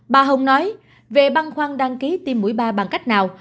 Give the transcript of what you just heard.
bà hồng nói về băng khoan đăng ký tiêm mũi ba bằng cách nào